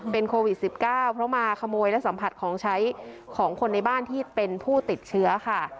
เป็นโควิด๑๙เพราะมาขโมยและสัมผัสของใช้ของคนในบ้านที่เป็นผู้ติดเชื้อค่ะ